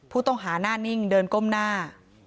ผู้ต้องหาหน้านิ่งเดินก้มหน้า